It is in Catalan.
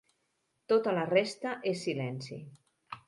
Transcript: Tota la resta és silenci.